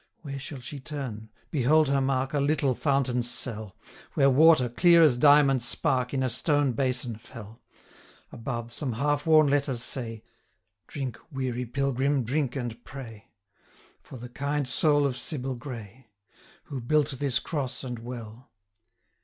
Where shall she turn! behold her mark A little fountain cell, 920 Where water, clear as diamond spark, In a stone basin fell. Above, some half worn letters say, Drink . weary . pilgrim . drink . and . pray . for . the . kind . soul . of . Sybil .Grey . 925 Who . built . this . cross . and . well